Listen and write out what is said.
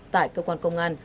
tại cơ quan công an